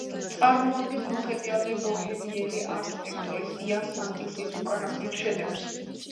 წარმოადგენს მოხეტიალე ბოჰემიელი არქიტექტორის იან სანტინის უკანასკნელ შედევრს.